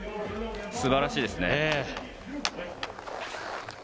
素晴らしいですね。